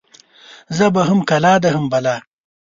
ژبه هم کلا ده هم بلا.